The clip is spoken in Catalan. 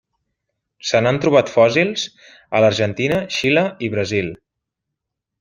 Se n'han trobat fòssils a l'Argentina, Xile i Brasil.